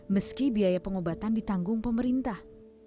meski biaya pengobatan ditanggung pemerintah